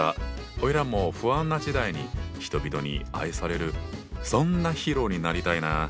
オイラも不安な時代に人々に愛されるそんなヒーローになりたいな。